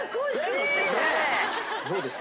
どうですか？